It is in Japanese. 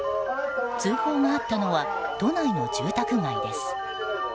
通報があったのは都内の住宅街です。